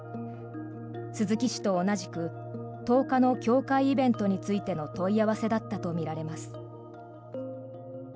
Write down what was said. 鈴木氏と同じく１０日の教会イベントについての問い合わせだったとみられます。